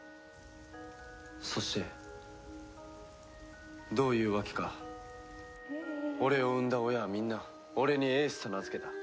そしてどういうわけか俺を産んだ親はみんな俺に「エース」と名付けた。